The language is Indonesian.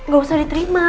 gak usah diterima